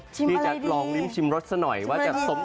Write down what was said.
ที่แจ๊ตรองริ้ำชิมรสซะหน่อยจะสมคำคำน่ำรึหรือยัง